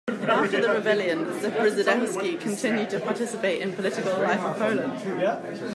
After the rebellion, Zebrzydowski continued to participate in political life of Poland.